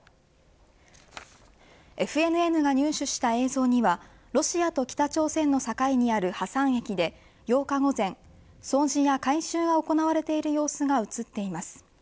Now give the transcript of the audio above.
ＦＮＮが入手した映像にはロシアと北朝鮮の境にあるハサン駅で、８日午前掃除や改修が行われている様子が映っています。